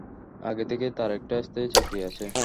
আগে থেকেই তার একটা স্থায়ী চাকরি আছে।